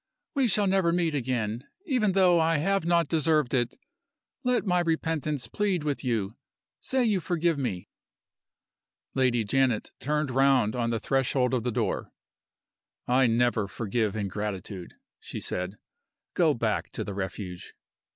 We shall never meet again. Even though I have not deserved it, let my repentance plead with you! Say you forgive me!" Lady Janet turned round on the threshold of the door. "I never forgive ingratitude," she said. "Go back to the Refuge."